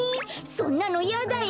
そんなのいやだよ！